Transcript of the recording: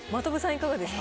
いかがですか？